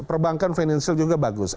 perbankan financial juga bagus